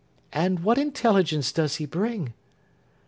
'And what intelligence does he bring?